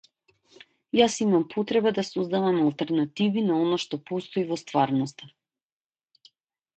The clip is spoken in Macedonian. Јас имам потреба да создавам алтернативи на она што постои во стварноста.